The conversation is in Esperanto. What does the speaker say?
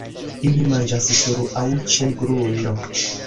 Ili manĝas sur aŭ ĉe grundo.